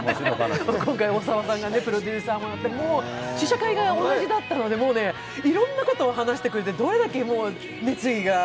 今回、大沢さんがプロデューサーもやって、試写会が同じだったので、いろんなことを話してくれてどれだけ熱意が。